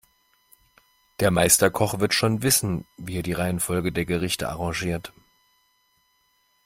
Der Meisterkoch wird schon wissen, wie er die Reihenfolge der Gerichte arrangiert.